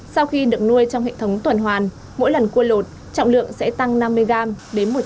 sau khi được nuôi trong hệ thống tuần hoàn mỗi lần cua lột trọng lượng sẽ tăng năm mươi gram đến một trăm linh